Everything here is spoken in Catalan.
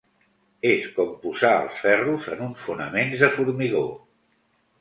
És com posar els ferros en uns fonaments de formigó.